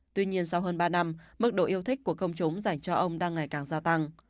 tuy nhiên sau hơn ba năm mức độ yêu thích của công chúng dành cho ông đang ngày càng gia tăng